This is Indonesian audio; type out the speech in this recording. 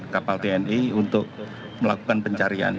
kapal tni untuk melakukan pencarian